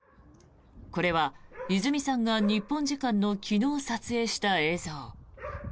これはいづみさんが日本時間の昨日撮影した映像。